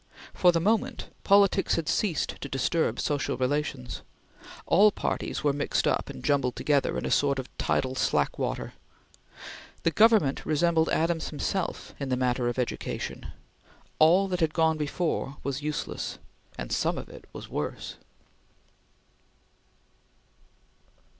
For the moment, politics had ceased to disturb social relations. All parties were mixed up and jumbled together in a sort of tidal slack water. The Government resembled Adams himself in the matter of education. All that had gone before was useless, and some of it was worse.